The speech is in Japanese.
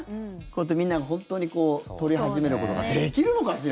みんなが本当に取り始めることができるのかしら？